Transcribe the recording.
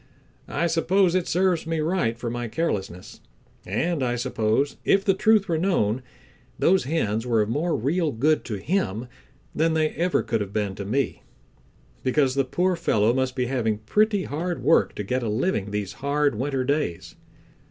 I suppose it serves me right for my carelessness, and I suppose if the truth were known, those hens were of more real good to him than they ever could have been to me, because the poor fellow must be having pretty hard work to get a living these hard winter days.